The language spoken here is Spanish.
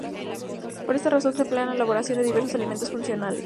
Por esta razón se emplea en la elaboración de diversos alimentos funcionales.